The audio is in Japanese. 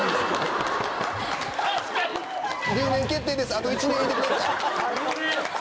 あと１年いてください。